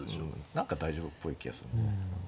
何か大丈夫っぽい気がするんだよね。